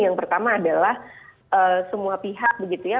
yang pertama adalah semua pihak begitu ya